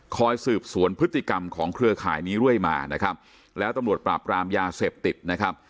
คอยสืบสวนพฤติกรรมของเครือข่ายนี้เรื่อยมานะครับแล้วตำรวจปราบรามยาเสพติดนะครับ